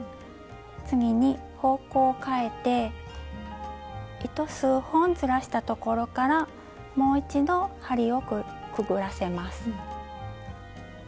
次に方向をかえて糸数本ずらしたところからもう一度針をくぐらせます。